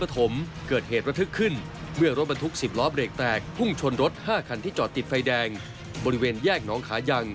ติดไฟแดงบริเวณแยกน้องขายัง